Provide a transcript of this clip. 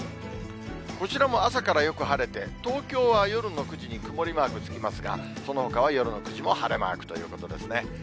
こちらも朝からよく晴れて、東京は夜の９時に曇りマークつきますが、そのほかは夜の９時も晴れマークということですね。